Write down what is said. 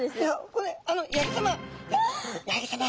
これあの八木さま